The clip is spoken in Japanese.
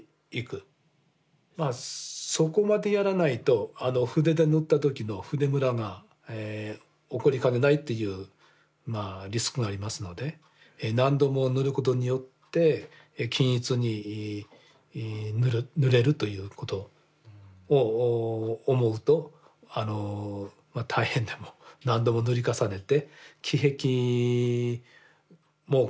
まあそこまでやらないと筆で塗った時の筆ムラが起こりかねないっていうリスクがありますので何度も塗ることによって均一に塗れるということを思うと大変でもっていうことにもなりかねないと。